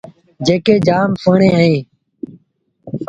جيڪيٚ جآم سُوهيٚڻي اهي۔